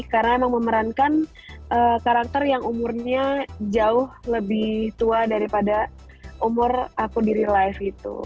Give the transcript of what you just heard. karena memang memerankan karakter yang umurnya jauh lebih tua daripada umur aku di real life itu